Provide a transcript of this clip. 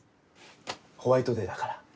ホワイトデーだから。